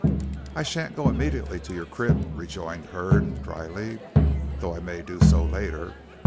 "I sha'n't go immediately to your crib," rejoined Hurd, dryly, "though I may do so later.